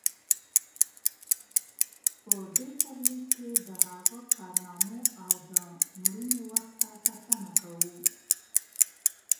په دې سرلیک کې د هغه کارنامو او د مړینې وخت ته کتنه کوو.